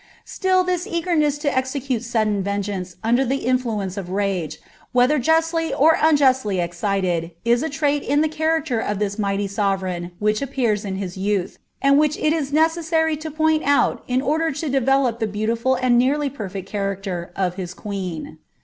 Still this eagerness lo execute siiddea vengeonce niicirt IM influence of rage, whether justly or unjustly excited, is a trail ia ilw churacter ot tliia tnighly sovereign which appeara in his yuuih; inJ which it is necessaty (o point out in order to develop the beautiful and nearly perfect character of his queen.